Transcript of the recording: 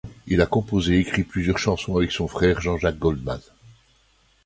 Il a composé et écrit plusieurs chansons avec son frère, Jean-Jacques Goldman.